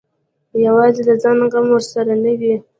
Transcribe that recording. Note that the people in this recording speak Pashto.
یوازې د ځان غم ورسره نه وي.